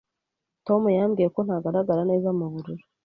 Tom yambwiye ko ntagaragara neza mubururu.